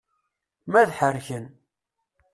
Ma ad ḥerken.